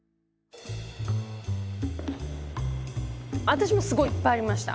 私もすごいいっぱいありました。